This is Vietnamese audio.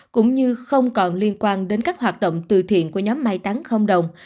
cũng như không còn liên quan đến các hoạt động tư thiện của nhóm mai tán không đồng